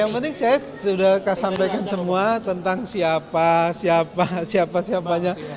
yang penting saya sudah sampaikan semua tentang siapa siapanya